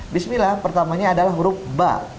bismillah pertamanya adalah huruf ba